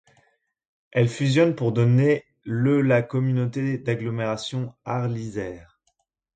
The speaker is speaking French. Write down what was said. Elle fusionne pour donner le la communauté d'agglomération Arlysère.